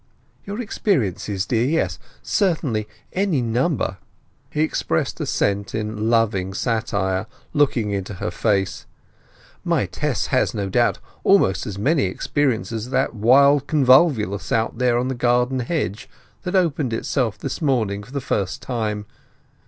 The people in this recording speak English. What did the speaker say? "Your experiences, dear; yes, certainly; any number." He expressed assent in loving satire, looking into her face. "My Tess, no doubt, almost as many experiences as that wild convolvulus out there on the garden hedge, that opened itself this morning for the first time.